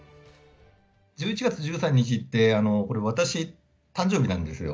１１月１３日ってこれ、私、誕生日なんですよ。